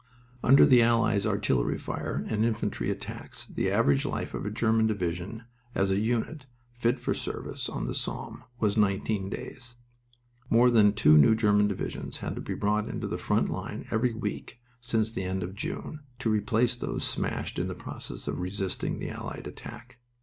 Under the Allies' artillery fire and infantry attacks the average life of a German division as a unit fit for service on the Somme was nineteen days. More than two new German divisions had to be brought into the front line every week since the end of June, to replace those smashed in the process of resisting the Allied attack.